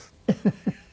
フフフフ。